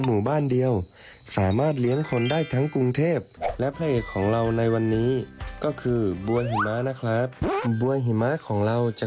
มีรสชาติที่ดีและกรอบอร่อย